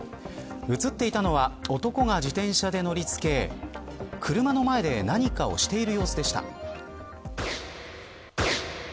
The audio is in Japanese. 映っていたのは男が自転車で乗りつけ車の前で何かをしている様子でした。